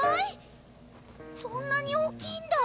そんなに大きいんだ。